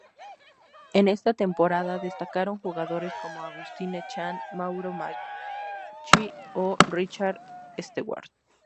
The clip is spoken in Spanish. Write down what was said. En esta temporada destacaron jugadores como Agustín Echan, Mauro Macchi o Richard Stewart.